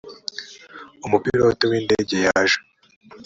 umupilote w’indege yaje